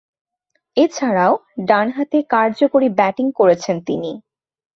এছাড়াও, ডানহাতে কার্যকরী ব্যাটিং করেছেন তিনি।